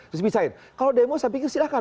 terus bisain kalau demo saya pikir silahkan